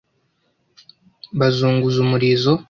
bazunguza umurizo